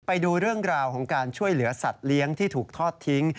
ไปดูเรื่องราวของการช่วยเหลือสัตว์เลี้ยงที่ถูกทอดทิ้ง